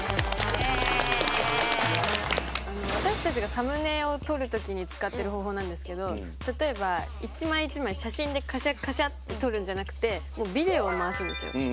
私たちがサムネを撮る時に使ってる方法なんですけど例えば一枚一枚写真でカシャカシャッて撮るんじゃなくてもうビデオを回すんですよ。